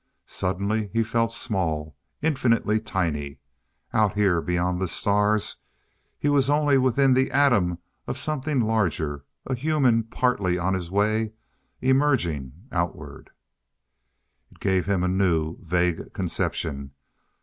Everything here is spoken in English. Suddenly he felt small infinitely tiny. Out here beyond the stars, he was only within the atom of something larger, a human, partly on his way emerging outward It gave him a new vague conception.